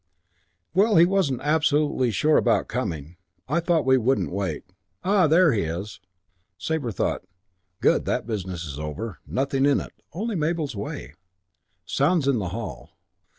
"Well, he wasn't absolutely sure about coming. I thought we wouldn't wait. Ah, there he is." Sabre thought, "Good. That business is over. Nothing in it. Only Mabel's way." Sounds in the hall.